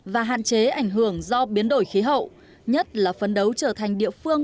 và hạn chế ảnh hưởng do biến đổi khí hậu nhất là phấn đấu trở thành địa phương